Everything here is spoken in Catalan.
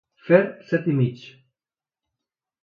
Fer set i mig.